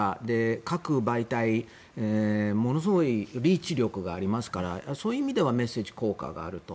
各媒体、ものすごいリーチ力がありますからそういう意味ではメッセージ効果があると。